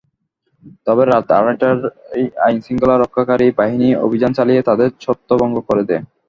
তবে রাত আড়াইটায় আইনশৃঙ্খলা রক্ষাকারী বাহিনী অভিযান চালিয়ে তাঁদের ছত্রভঙ্গ করে দেয়।